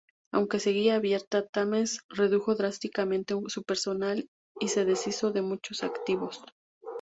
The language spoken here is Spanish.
Aunque seguía abierta, Thames redujo drásticamente su personal y se deshizo de muchos activos.